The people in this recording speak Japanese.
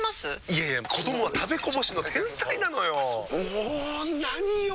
いやいや子どもは食べこぼしの天才なのよ。も何よ